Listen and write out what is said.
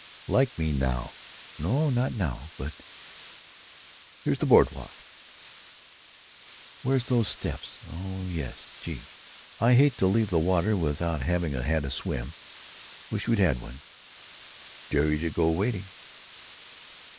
"Like me now!" "No, not now, but—— Here's the board walk." "Where's those steps? Oh yes. Gee! I hate to leave the water without having had a swim. Wish we'd had one. Dare you to go wading!"